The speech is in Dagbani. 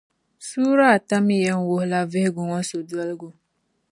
Suuri ata mi yɛn wuhila vihigu ŋͻ sodoligu.